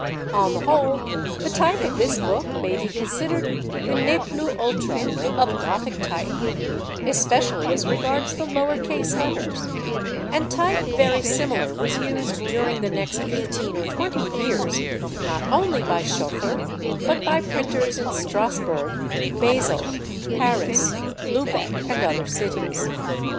On the whole the type of this book may be considered the ne plus ultra of Gothic type, especially as regards the lower case letters; and type very similar was used during the next fifteen or twenty years not only by Schoeffer, but by printers in Strasburg, Basle, Paris, Lubeck, and other cities.